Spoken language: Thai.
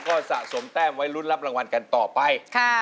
ก็สะสมแต้มไว้ลุ้นรับรางวัลกันต่อไป